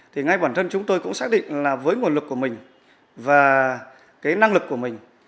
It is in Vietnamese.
thì ngay bản thân chúng tôi cũng xác định là với nguồn lực của mình và cái năng lực của mình